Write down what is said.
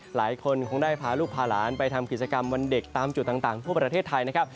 หลายคนคงได้พาลูกพาหลานไปทำกิจกรรมวันเด็กตามจุดต่างทั่วประเทศไทยนะครับ